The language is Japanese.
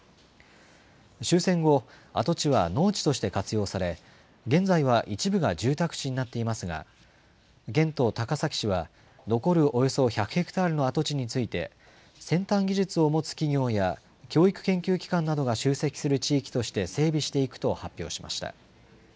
終戦後、跡地は農地として活用され、現在は一部が住宅地になっていますが、県と高崎市は、残るおよそ１００ヘクタールの跡地について、先端技術を持つ企業や、教育研究機関などが集積する地域として整備していくと発表しました。